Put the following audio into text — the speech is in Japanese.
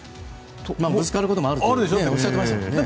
ぶつかることもあるっておっしゃってましたもんね。